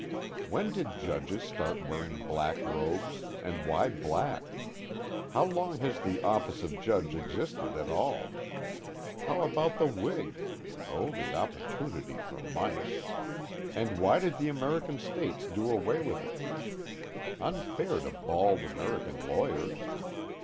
_ _When did judges start wearing black robes, and why black? How long has the office of judge existed at all? How about the wig (O the opportunity for mice!) and why did the American States do away with it? unfair to bald American lawyers.